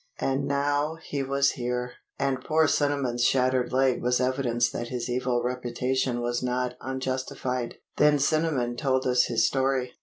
And now he was here! And poor Cinnamon's shattered leg was evidence that his evil reputation was not unjustified. Then Cinnamon told us his story.